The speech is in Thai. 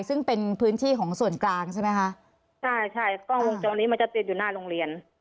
ซึ่งเป็นพื้นที่ของส่วนกลางใช่ไหมคะใช่ใช่กล้องวงจรปิดมันจะติดอยู่หน้าโรงเรียน